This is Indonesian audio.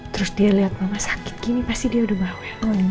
terus dia lihat mama sakit gini pasti dia udah bau